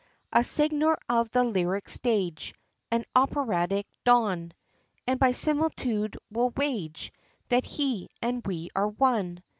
A signor of the lyric stage, An operatic Don, And by similitude, we'll wage That he, and we are one!